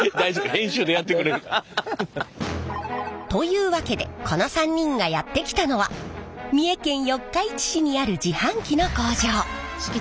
編集でやってくれるから。というわけでこの３人がやって来たのは三重県四日市市にある自販機の工場。